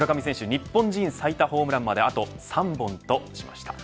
日本人最多ホームランまであと３本としました。